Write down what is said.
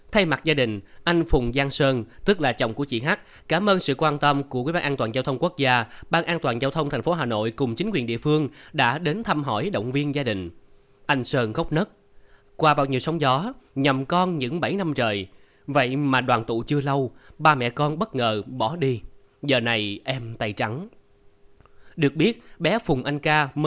thay mặt gia đình anh phùng giang sơn tức là chồng của chị h cảm ơn sự quan tâm của quy bán an toàn giao thông quốc gia ban an toàn giao thông thành phố hà nội cùng chính quyền địa phương đã đến thăm hỏi động viên gia đình